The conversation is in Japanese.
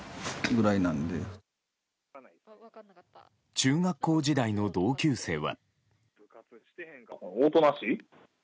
中学校時代の同級生は。